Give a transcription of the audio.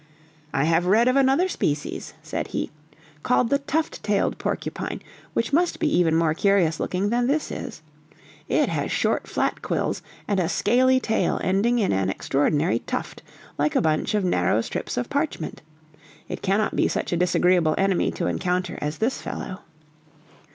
"I have read of another species," said he, "called the tuft tailed porcupine, which must be even more curious looking than this is. It has short, flat quills, and a scaly tail ending in an extraordinary tuft, like a bunch of narrow strips of parchment. It cannot be such a disagreeable enemy to encounter as this fellow."